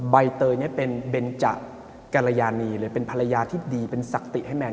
ใบเตยเนี่ยเป็นเบนจะกรยานีเลยเป็นภรรยาที่ดีเป็นศักดิ์ติให้แนน